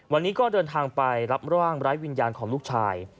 วันนี้ก็เดินทางไปรับร่างไร้วิญญาณของลูกชาย